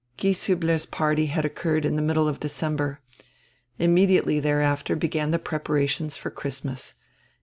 Gieshiibler's party had occurred in die middle of Decem ber. Immediately diereafter began die preparations for Christmas.